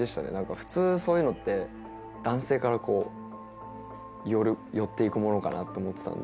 普通は、そういうのって男性から寄っていくものかなと思っていたんで。